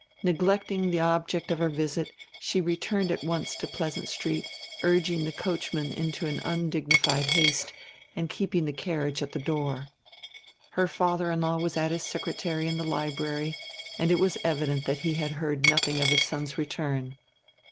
Neglecting the object of her visit she returned at once to Pleasant Street, urging the coachman to an undignified haste, and keeping the carriage at the door. Her father in law was at his secretary in the library, and it was evident that he had heard nothing of his son's return.